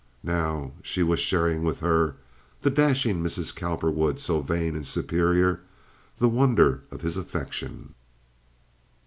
Now she was sharing with her (the dashing Mrs. Cowperwood, so vain and superior) the wonder of his affection.